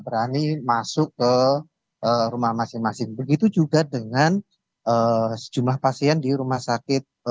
berani masuk ke rumah masing masing begitu juga dengan sejumlah pasien di rumah sakit